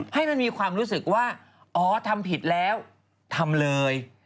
ให้มันมีความรู้สึกว่าอ๋อทำผิดแล้วทำเลย